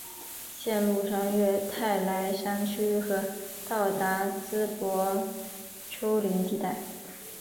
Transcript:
线路穿越泰莱山区和到达淄博丘陵地带。